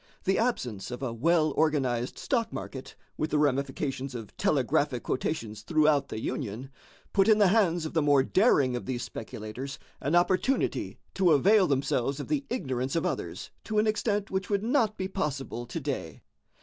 The absence of a well organized stock market, with the ramifications of telegraphic quotations throughout the Union, put in the hands of the more daring of these speculators an opportunity to avail themselves of the ignorance of others to an extent which would not be possible to day.